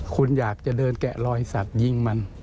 คุณอยากจะเดินแกะรอยสัตว์ยิงมัน